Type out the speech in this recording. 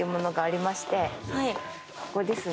ここですね。